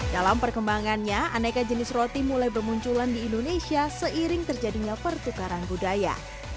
dalam perkembangannya aneka jenis roti mulai bermunculan di indonesia seiring terjadinya pertukaran budaya